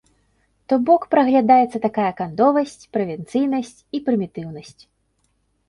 То бок, праглядаецца такая кандовасць, правінцыйнасць і прымітыўнасць.